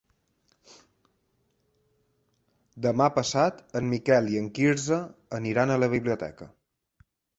Demà passat en Miquel i en Quirze aniran a la biblioteca.